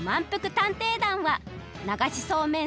探偵団はながしそうめん